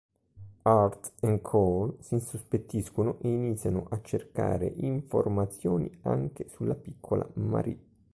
Hart e Cohle s'insospettiscono e iniziano a cercare informazioni anche sulla piccola Marie.